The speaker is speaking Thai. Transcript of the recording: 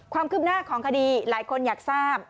ความคืบหน้าของคดีหลายคนอยากทราบ